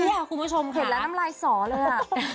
เห็นแล้วน้ำลายสอเลย